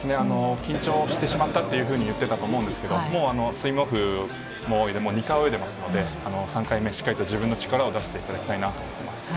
緊張してしまったっていうふうに言ってたと思うんですけど、もうスイムオフも入れて２回泳いでますので、３回目、しっかりと自分の力を出していただきたいなと思ってます。